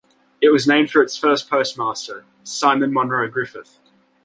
It was named for its first postmaster, Simon Monroe Griffith.